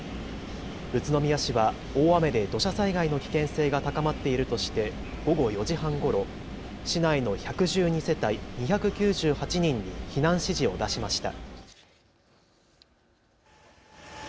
宇都宮市は大雨で土砂災害の危険性が高まっているとして午後４時半ごろ市内の１１２世帯２９８人に避難指示を出しました。